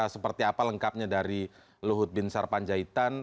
seperti apa lengkapnya dari luhut bin sarpanjaitan